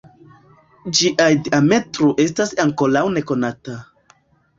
Ĝiaj diametro estas ankoraŭ nekonata.